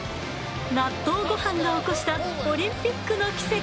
納豆ゴハンが起こしたオリンピックの奇跡。